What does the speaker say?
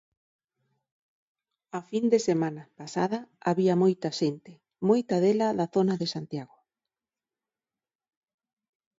A fin de semana pasada había moita xente, moita dela da zona de Santiago.